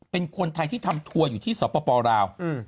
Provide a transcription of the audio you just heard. เป็นคนไทยที่ทำทัวร์อยู่ที่สปลาว